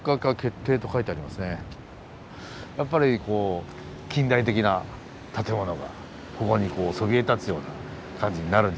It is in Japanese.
やっぱりこう近代的な建物がここにそびえ立つような感じになるんじゃないでしょうかね。